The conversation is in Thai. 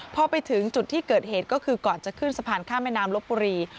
พอไปถึงจุดที่เกิดเหตุก็คือก่อนจะขึ้นสะพานข้ามแม่น้ำลบบุรี